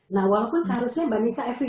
nah walaupun seharusnya mbak nisa setiap hari